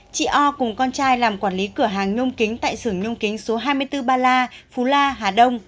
chị o cùng con trai làm quản lý cửa hàng nhôm kính tại xưởng nhung kính số hai mươi bốn ba la phú la hà đông